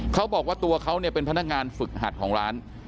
เขาบอกว่าตัวเขาเนี่ยเป็นพนักงานฝึกหัดของร้าน